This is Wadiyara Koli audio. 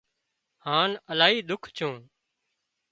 هانَ الاهي ۮُک ڇُون